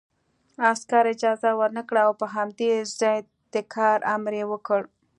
عسکر اجازه ورنکړه او په همدې ځای د کار امر یې وکړ